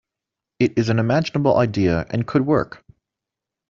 It is an imaginable idea and could work.